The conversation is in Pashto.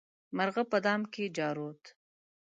مرغه په دام کې جارووت.